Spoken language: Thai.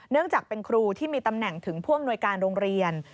เนื่องจากเป็นครูที่มีตำแหน่งถึงพ่วงหน่วยการโรงเรียน